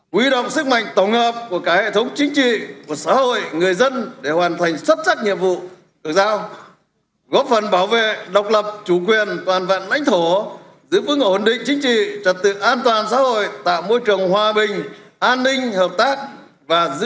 quy động sức mạnh tổng hợp của cả hệ thống chính trị của xã hội người dân để hoàn thành sắp xác nhận lực lượng cảnh sát cơ động